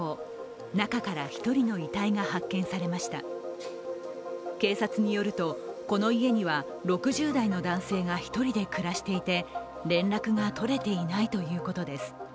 中から１人の遺体が発見されました警察によると、この家には６０代の男性が１人で暮らしていて連絡が取れていないということです。